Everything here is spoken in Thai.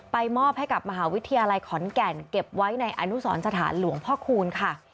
มอบให้กับมหาวิทยาลัยขอนแก่นเก็บไว้ในอนุสรสถานหลวงพ่อคูณค่ะ